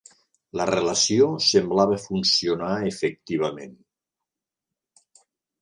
La relació semblava funcionar efectivament.